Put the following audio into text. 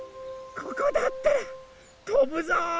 ここだったらとぶぞ！